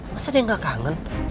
masa dia nggak kangen